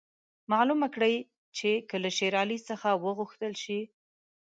معلومه کړي چې که له شېر علي څخه وغوښتل شي.